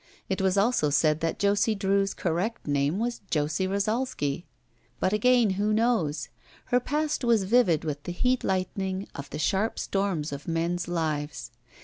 It was also said that Josie Drew's correct name was Josie Rosalsky. But again who knows? Her past was vivid with the heat lightning of the sharp storms of men's lives.